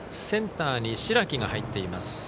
センターには白木が入っています